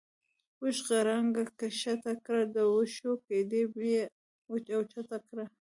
اوښ غړانګه کښته کړه د وښو ګیډۍ یې اوچته کړه.